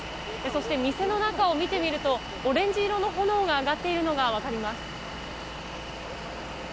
そして店の中を見てみるとオレンジ色の炎が上がっているのが分かります。